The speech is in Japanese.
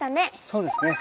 そうですね。